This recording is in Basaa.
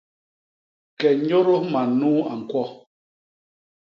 Ke nyôdôs man nuu a ñkwo.